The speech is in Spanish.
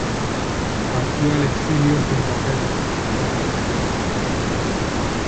Partió al exilio junto a Pedro, su hijo adolescente.